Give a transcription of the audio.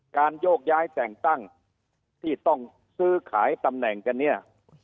โยกย้ายแต่งตั้งที่ต้องซื้อขายตำแหน่งกันเนี่ย